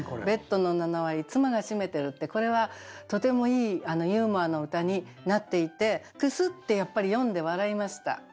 「ベッドの７割妻が占めてる」ってこれはとてもいいユーモアの歌になっていてクスッて読んで笑いました